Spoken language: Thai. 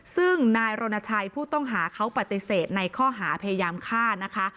ซึ่งนายรณชัยผู้ต้องหาเขาปฏิเสธในข้อหาพยายามฆ่านะคะ